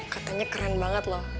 katanya keren banget loh